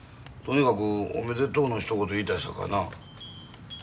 とにかくおめでとうのひと言言いたいさかな。